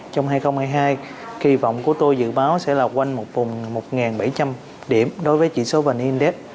trong hai nghìn hai mươi hai kỳ vọng của tôi dự báo sẽ là quanh một vùng một bảy trăm linh điểm đối với chỉ số vn index